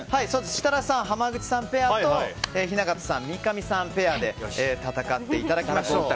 設楽さん、濱口さんペアと雛形さん、三上アナペアで戦っていただきましょう。